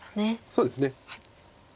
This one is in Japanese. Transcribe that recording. そうですね。